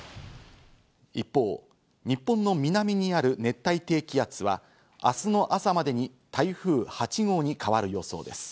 一方、日本の南にある熱帯低気圧は、明日の朝までに台風８号に変わる予想です。